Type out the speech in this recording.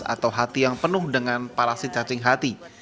atau hati yang penuh dengan parasit cacing hati